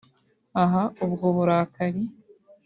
Aha ubwo burakari